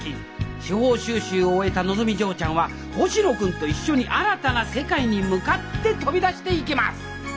司法修習を終えたのぞみ嬢ちゃんは星野君と一緒に新たな世界に向かって飛び出していきます！